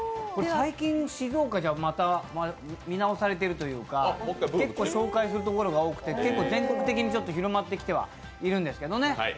最近静岡じゃまた見直されているというか、結構紹介するところが多くて全国的に広まっているところなんですけどね。